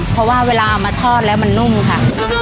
เพราะว่าเวลาเอามาทอดแล้วมันนุ่มค่ะ